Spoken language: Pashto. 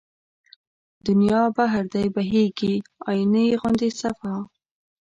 دنيا بحر دی بهيږي آينه غوندې صفا